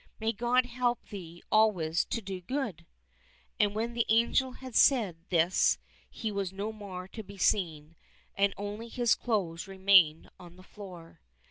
May God help thee always to do good !" And when the angel had said this he was no more to be seen, and only his clothes remained on the floor.